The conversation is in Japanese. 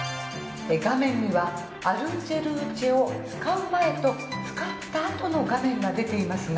画面にはＡｌｕｃｅｌｕｃｅを使う前と使ったあとの画面が出ていますが。